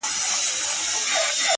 o هغه به زما له سترگو،